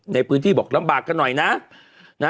ในพื้นที่บอกลำบากกันหน่อยนะ